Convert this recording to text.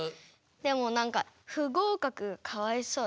でもなんか不合かくかわいそうです。